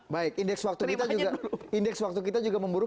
baik indeks waktu kita juga memburuk